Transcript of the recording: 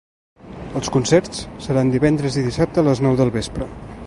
Els concerts seran divendres i dissabte a les nou del vespre.